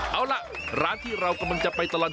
เอาล่ะร้านที่เรากำลังจะไปกันนะคุณผู้ชม